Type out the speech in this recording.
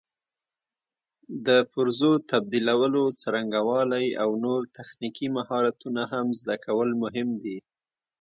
د پرزو تبدیلولو څرنګوالي او نور تخنیکي مهارتونه هم زده کول مهم دي.